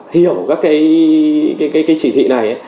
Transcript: hiểu các cái chỉ thị này